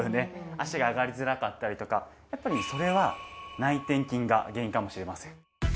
脚が上がりづらかったりとかやっぱりそれは内転筋が原因かもしれません。